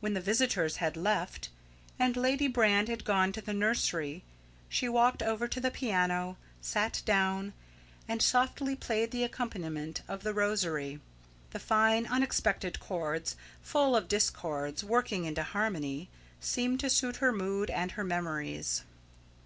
When the visitors had left, and Lady Brand had gone to the nursery, she walked over to the piano, sat down, and softly played the accompaniment of "The Rosary." The fine unexpected chords, full of discords working into harmony, seemed to suit her mood and her memories.